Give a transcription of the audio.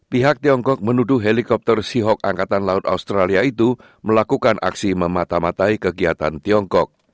pihak tiongkok menuduh helikopter sihok angkatan laut australia itu melakukan aksi memata matai kegiatan tiongkok